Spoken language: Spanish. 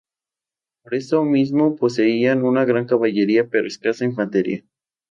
Por esto mismo poseían una gran caballería pero escasa infantería.